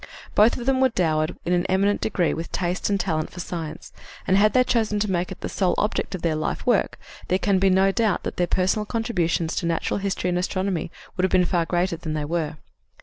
Both of them were dowered in an eminent degree with taste and talent for science, and had they chosen to make it the sole object of their life work, there can be no doubt that their personal contributions to natural history and astronomy would have been far greater than they were.